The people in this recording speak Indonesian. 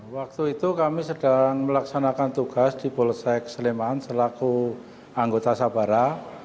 waktu itu kami sedang melaksanakan tugas di polsek sleman selaku anggota sabara